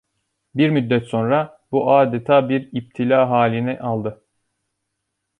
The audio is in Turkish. Bir müddet sonra bu adeta bir iptila halini aldı.